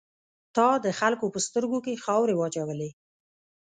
تا د خلکو په سترګو کې خاورې واچولې.